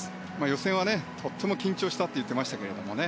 予選はとっても緊張したと言ってましたけどね。